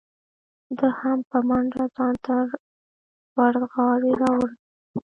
ده هم په منډه ځان تر وردغاړې را ورسو.